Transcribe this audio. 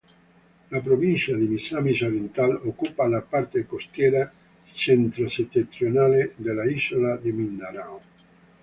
La provincia di Misamis Oriental occupa la parte costiera centrosettentrionale dell'isola di Mindanao.